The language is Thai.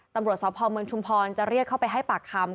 ตำรวจสพเมืองชุมพรจะเรียกเข้าไปให้ปากคำ